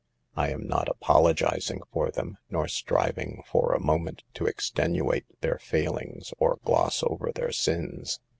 I am not apologizing for them, nor striving for a moment to extenuate their failings or gloss over their sins.